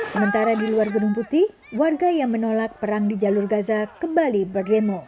sementara di luar gedung putih warga yang menolak perang di jalur gaza kembali berdemo